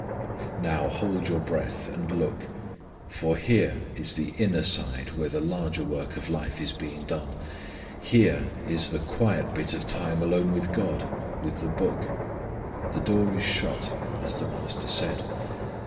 Now, hold your breath, and look, for here is the inner side where the larger work of life is being done. Here is the quiet bit of time alone with God, with the Book. The door is shut, as the Master said.